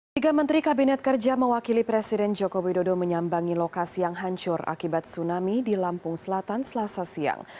tiga menteri kabinet kerja mewakili presiden joko widodo menyambangi lokasi yang hancur akibat tsunami di lampung selatan selasa siang